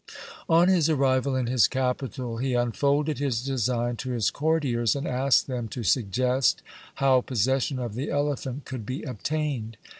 On his arrival in his capital he unfolded his design to his courtiers, and asked them to suggest how possession of the elephant could be obtained.